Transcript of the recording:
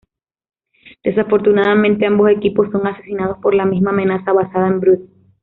Desafortunadamente, ambos equipos son asesinados por la misma amenaza basada en Brood.